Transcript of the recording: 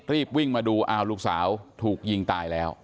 รีบวิ่งมาดูอ้าวลูกสาวถูกยิงตายแล้ว